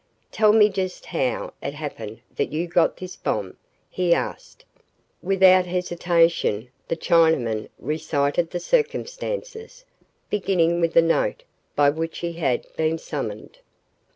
"Tell me just how it happened that you got this bomb," he asked. Without hesitation, the Chinaman recited the circumstances, beginning with the note by which he had been summoned.